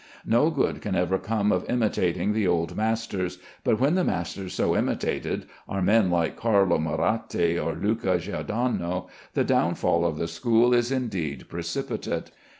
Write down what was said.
No good can ever come of imitating the old masters, but when the masters so imitated are men like Carlo Maratti or Luca Giordano, the downfall of the school is indeed precipitate.